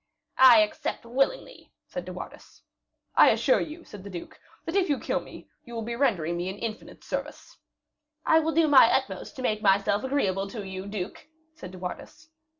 "I accept willingly," said De Wardes. "I assure you," said the duke, "that if you kill me, you will be rendering me an infinite service." "I will do my utmost to make myself agreeable to you, duke," said De Wardes.